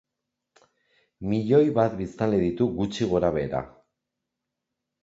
Milioi bat biztanle ditu gutxi gorabehera.